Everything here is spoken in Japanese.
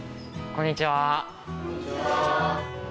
こんにちは。